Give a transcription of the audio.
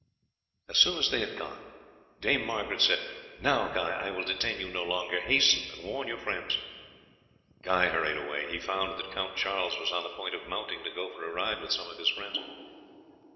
As soon as they had gone Dame Margaret said: "Now, Guy, I will detain you no longer; hasten and warn your friends." Guy hurried away; he found that Count Charles was on the point of mounting to go for a ride with some of his friends.